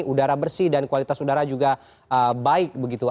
udara bersih dan kualitas udara juga baik begitu